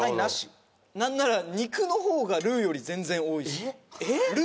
何なら肉の方がルーより全然多いしえっ？